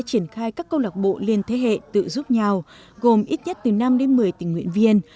các cơ sở đã triển khai các cô lạc bộ liên thế hệ tự giúp nhau gồm ít nhất từ năm đến một mươi tỉnh nguyện viên